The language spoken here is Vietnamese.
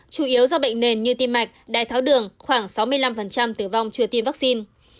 chủ yếu do bệnh nền như tim mạch đai tháo đường khoảng sáu mươi năm tử vong chưa tiêm vaccine